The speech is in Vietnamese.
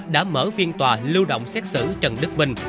đã mở phiên tòa lưu động xét xử trần đức minh